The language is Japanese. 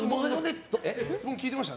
質問聞いてました？